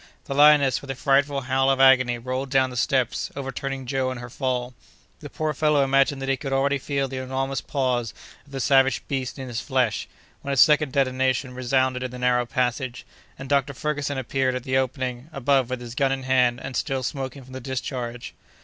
The lioness, with a frightful howl of agony, rolled down the steps, overturning Joe in her fall. The poor fellow imagined that he could already feel the enormous paws of the savage beast in his flesh, when a second detonation resounded in the narrow passage, and Dr. Ferguson appeared at the opening above with his gun in hand, and still smoking from the discharge.